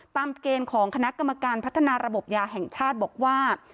ตามเกณฑ์ของคณะกรรมการพัฒนาระบบยาแห่งชาติบอกว่า